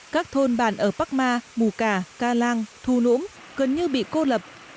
các thôn bàn ở bắc ma mù cà ca lang thu nũng gần như bị cô lập